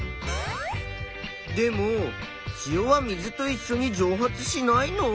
でも塩は水といっしょに蒸発しないの？